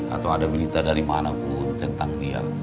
atau ada berita dari mana pun tentang dia